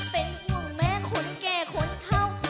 เป็นห่วงแม่คนแก่คนเท่า